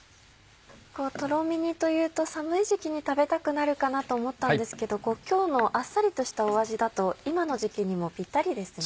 とろみ煮というと寒い時期に食べたくなるかなと思ったんですけど今日のあっさりとした味だと今の時期にもピッタリですね。